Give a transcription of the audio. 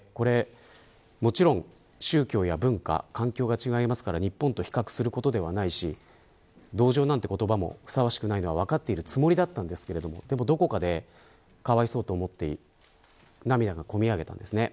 もちろん宗教や文化環境が違いますから日本と比較することではないし同情なんて言葉もふさわしくないのも分かってるつもりでしたがどこかでかわいそうと思って涙が込み上げたんですね。